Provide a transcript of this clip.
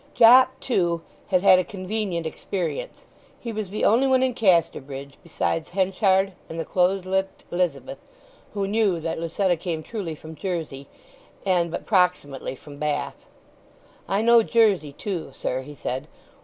Jopp too, had had a convenient experience; he was the only one in Casterbridge besides Henchard and the close lipped Elizabeth who knew that Lucetta came truly from Jersey, and but proximately from Bath. "I know Jersey too, sir," he said.